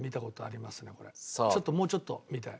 ちょっともうちょっと見たい。